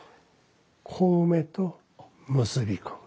小梅と結び昆布。